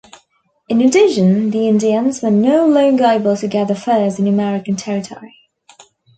In addition, the Indians were no longer able to gather furs in American territory.